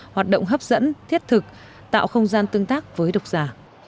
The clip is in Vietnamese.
hoạt động hấp dẫn thiết thực tạo không gian tương tác với độc giả